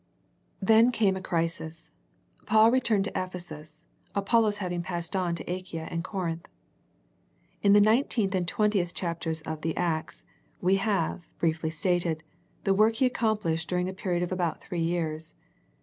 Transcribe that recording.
Then came a crisis. Paul returned to Ephe sus, Apollos having passed on to Achaia and Corinth. In the nineteenth and twentieth chapters of the Acts we have, briefly stated, the work he accomplished during a period of about three years.